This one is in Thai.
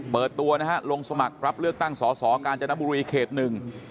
เปิดตัวนะฮะลงสมัครรับเลือกตั้งสอสอกาญจนบุรีเขตหนึ่ง